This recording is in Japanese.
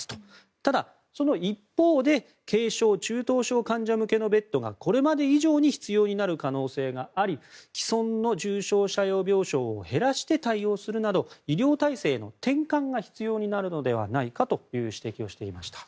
ただ、その一方で軽症・中等症患者向けのベッドがこれまで以上に必要になる可能性があり既存の重症者用病床を減らして対応するなど医療体制の転換が必要になるのではないかという指摘をしていました。